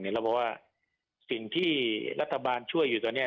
เราบอกว่าสิ่งที่รัฐบาลช่วยอยู่ตอนนี้